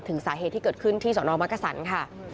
ถึงสาเหตุที่เกิดขึ้นที่สนมักกษันค่ะ